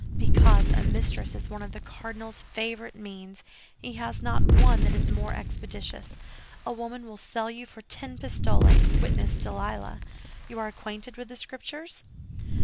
"Because a mistress is one of the cardinal's favorite means; he has not one that is more expeditious. A woman will sell you for ten pistoles, witness Delilah. You are acquainted with the Scriptures?"